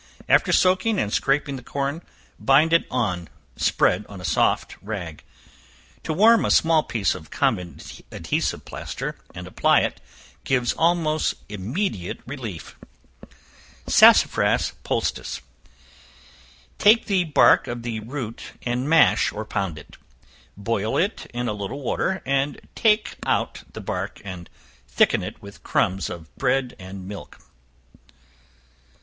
After soaking and scraping the corn, bind it on, spread on a soft rag. To warm a small piece of common adhesive plaster and apply it, gives almost immediate relief. Sassafras Poultice. Take the bark of the root and mash, or pound it; boil it in a little water, and take out the bark, and thicken it with crumbs of bread, and milk.